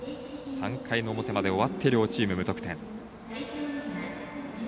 ３回の表まで終わって両チーム無得点。